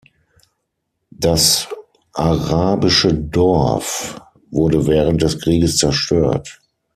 Das arabische Dorf wurde während des Krieges zerstört.